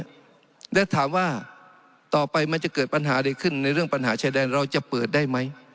และถามว่าต่อไปมันจะเกิดปัญหาใดขึ้นในเรื่องปัญหาชายแดนเราจะเปิดได้ไหม